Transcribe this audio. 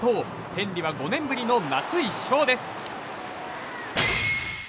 天理は５年ぶりの夏１勝です。